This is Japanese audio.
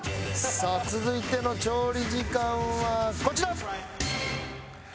さあ続いての調理時間はこちら！